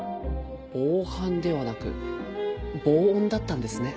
防犯ではなく防音だったんですね。